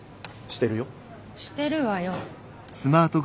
してるわよ。